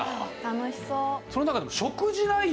楽しそう。